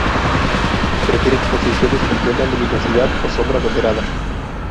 Prefiere exposiciones con buena luminosidad o sombra moderada.